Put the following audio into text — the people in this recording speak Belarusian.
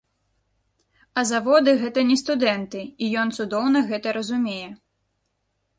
А заводы гэта не студэнты, і ён цудоўна гэта разумее.